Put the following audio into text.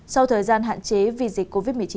sau thời gian hạn chế vì dịch covid một mươi chín